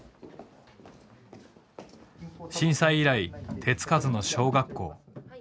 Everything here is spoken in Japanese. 震災以来手付かずの小学校。